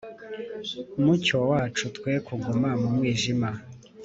mucyo wacu, twe kuguma mu mwijima.